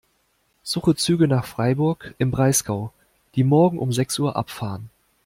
Suche Züge nach Freiburg im Breisgau, die morgen um sechs Uhr abfahren.